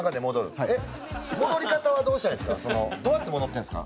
戻り方はどうしたらいいんですか？